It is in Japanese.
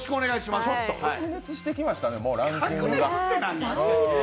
ちょっと白熱してきましたね、ランキングが。